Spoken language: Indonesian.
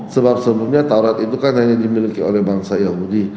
sebab sebelumnya taurat itu kan hanya dimiliki oleh bangsa yahudi